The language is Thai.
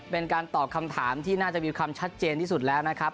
เป็นการตอบคำถามที่น่าจะมีความชัดเจนที่สุดแล้วนะครับ